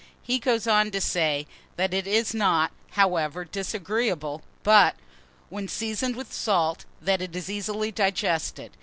He goes on to say, that it is not, however, disagreeable; but, when seasoned with salt, that it is easily digested.